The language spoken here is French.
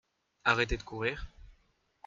Arrêtez de courir.